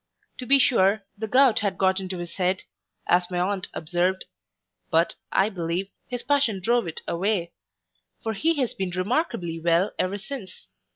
To be sure, the gout had got into his head, as my aunt observed; but, I believe, his passion drove it away; for he has been remarkably well ever since.